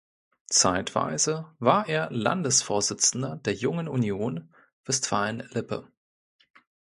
Zeitweise war er Landesvorsitzender der Jungen Union Westfalen-Lippe.